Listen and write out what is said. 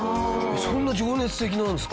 そんな情熱的なんですか？